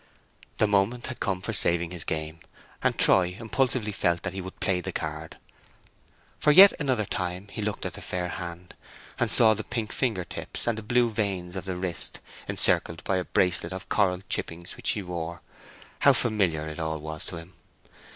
The moment had come for saving his game, and Troy impulsively felt that he would play the card. For yet another time he looked at the fair hand, and saw the pink finger tips, and the blue veins of the wrist, encircled by a bracelet of coral chippings which she wore: how familiar it all was to him!